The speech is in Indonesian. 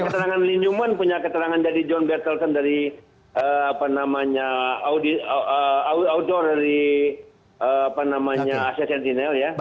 punya keterangan lenyuman punya keterangan dari john bertelken dari apa namanya outdoor dari apa namanya asia sentinel ya